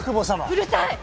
うるさい！